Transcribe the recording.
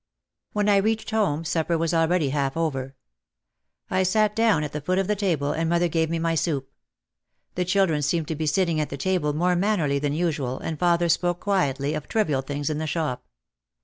When I reached home supper was already half over. I sat down at the foot of the table and mother gave me my soup. The children seemed to be sitting at the table more mannerly than usual and father spoke quietly of trivial things in the shop.